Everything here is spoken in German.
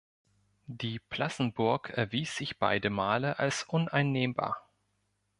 Die Plassenburg erwies sich beide Male als uneinnehmbar.